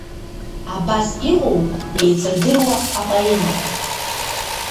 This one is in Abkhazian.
Абас иҟоуп еицырдыруа апоемақәа…